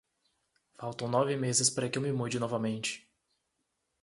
Faltam nove meses para que eu me mude novamente.